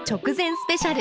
スペシャル」。